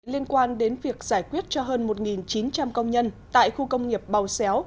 liên quan đến việc giải quyết cho hơn một chín trăm linh công nhân tại khu công nghiệp bầu xéo